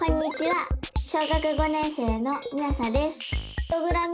小学５年生のみあさです。